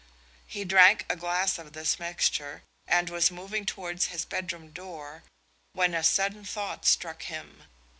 He drank a glass of this mixture, and was moving towards his bedroom door when a sudden thought struck him.